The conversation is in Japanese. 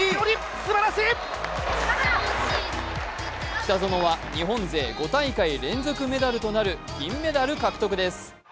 北園は日本勢５大会連続メダルとなる銀メダル獲得です。